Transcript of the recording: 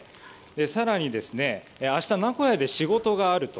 更に、明日名古屋で仕事があると。